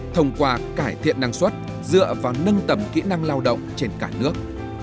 thông qua cải thiện năng suất dựa vào nâng tầm kỹ năng lao động trên cả nước